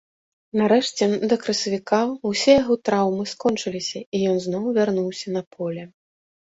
Нарэшце, да красавіка ўсе яго траўмы скончыліся і ён зноў вярнуўся на поле.